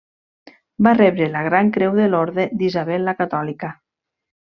Va rebre la gran creu de l'Orde d'Isabel la Catòlica.